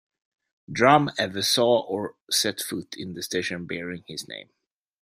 Drum ever saw or set foot in the station bearing his name.